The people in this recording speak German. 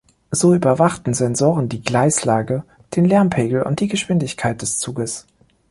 So überwachten Sensoren die Gleislage, den Lärmpegel und die Geschwindigkeit des Zuges.